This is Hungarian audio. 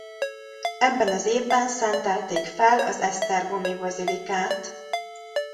Ebben az évben szentelték fel az esztergomi bazilikát.